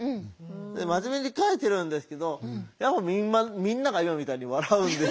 で真面目に書いてるんですけどやっぱみんなが今みたいに笑うんですよ。